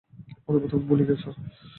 অথবা তুমি ভুলে গেছ।